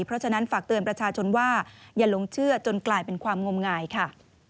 เพราะฉะนั้นฝากเตือนประชาชนว่าอย่าลงเชื่อจนกลายเป็นความงมงายค่ะ